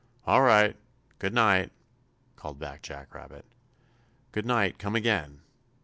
"All right! Good night!" called back Jack Rabbit. "Good night! Come again!"